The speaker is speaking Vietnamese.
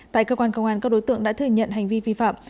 tại cơ quan công an các đối tượng đã thừa nhận hành vi vi phạm